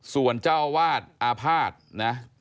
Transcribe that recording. ส่วนเจ้าวาดอาภาษณ์นะ